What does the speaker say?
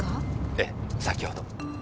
えぇ先ほど。